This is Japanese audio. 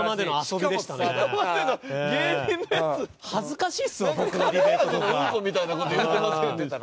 「カレー味のうんこ」みたいな事言うてませんでした？